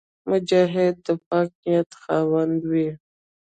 مجاهد د پاک نیت خاوند وي.